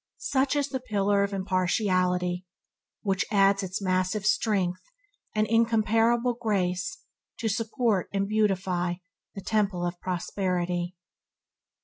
Such is the Pillar of impartiality which adds its massive strength and incomparable grace to support and beautify the Temple of Prosperity.